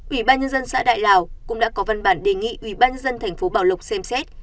ủy ban nhân dân xã đại lào cũng đã có văn bản đề nghị ủy ban dân thành phố bảo lộc xem xét